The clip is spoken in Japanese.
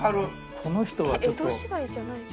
この人はちょっと。